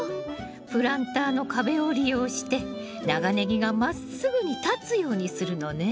プランターの壁を利用して長ネギがまっすぐに立つようにするのね。